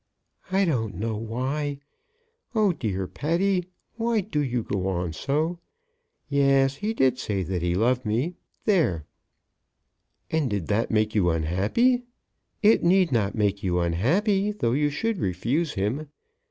"I don't know why. Oh, dear Patty, why do you go on so? Yes; he did say that he loved me; there." "And did that make you unhappy? It need not make you unhappy, though you should refuse him.